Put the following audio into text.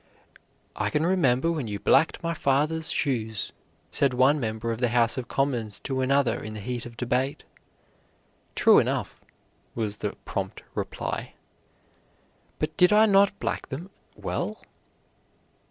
"I can remember when you blacked my father's shoes," said one member of the House of Commons to another in the heat of debate. "True enough," was the prompt reply, "but did I not black them well?"